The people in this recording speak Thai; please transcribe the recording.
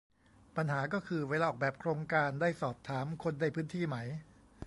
ปัญหาก็คือ เวลาออกแบบโครงการได้สอบถามคนในพื้นที่ไหม